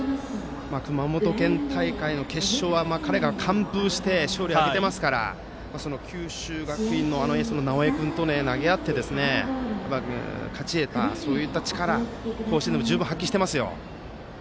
熊本県大会の決勝は彼が完封して勝利を挙げていますから九州学院のエースと投げ合って勝ち得た力攻守で発揮してますよ。